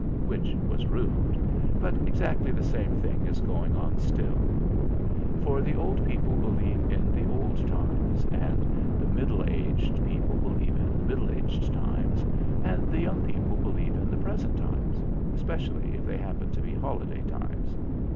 Which was rude; but exactly the same thing is going on still. For the old people believe in the old times, and the middle aged people believe in the middle aged times, and the young people believe in the present times, especially if they happen to be holiday times.